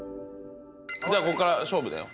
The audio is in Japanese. じゃあここから勝負だよ。